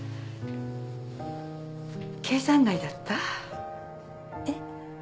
計算外だった？えっ？